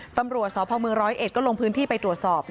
ตำรวจสพ๑๐๑ก็ลงพื้นที่ไปตรวจสอบ